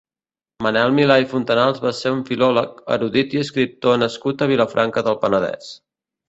Manel Milà i Fontanals va ser un filòleg, erudit i escriptor nascut a Vilafranca del Penedès.